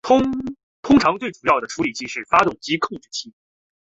通常最主要的处理器是发动机控制器。